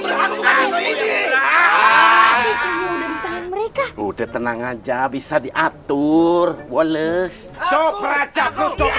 berharga ini udah tenang aja bisa diatur wallace coba coba kabum